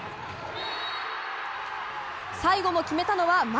最後も決めたのは牧！